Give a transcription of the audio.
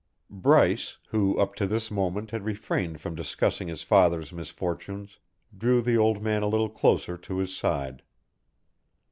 Bryce, who up to this moment had refrained from discussing his father's misfortunes, drew the old man a little closer to his side.